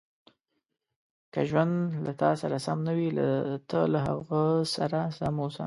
• که ژوند له تا سره سم نه وي، ته له هغه سره سم اوسه.